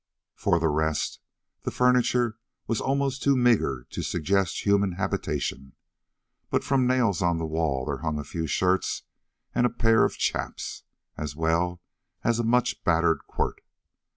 For the rest, the furniture was almost too meager to suggest human habitation, but from nails on the wall there hung a few shirts and a pair of chaps, as well as a much battered quirt.